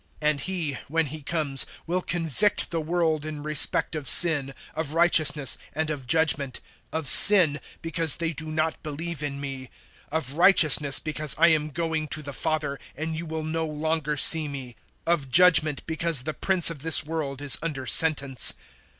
016:008 And He, when He comes, will convict the world in respect of sin, of righteousness, and of judgement; 016:009 of sin, because they do not believe in me; 016:010 of righteousness, because I am going to the Father, and you will no longer see me; 016:011 of judgement, because the Prince of this world is under sentence.